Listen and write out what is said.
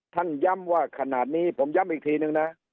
ย้ำว่าขนาดนี้ผมย้ำอีกทีนึงนะ